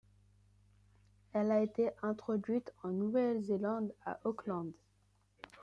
Elle a été introduite en Nouvelle-Zélande à Auckland.